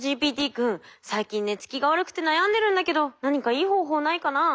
君最近寝つきが悪くて悩んでるんだけど何かいい方法ないかなあ。